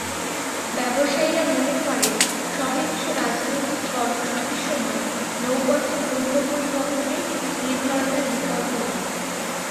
ব্যবসায়ীরা মনে করেন, সহিংস রাজনৈতিক কর্মসূচির সময় নৌপথে পণ্য পরিবহনে নির্ভরতার বিকল্প নেই।